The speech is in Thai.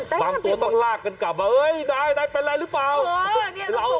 บางตัวต้องลากกันกลับเฮ้ยนายนายเป็นอะไรหรือเปล่า